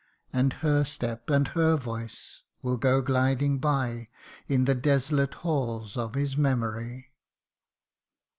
77 And her step and her voice will go gliding by In the desolate halls of his memory